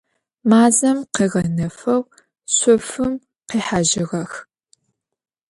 Мазэм къыгъэнэфэу шъофым къихьажьыгъэх.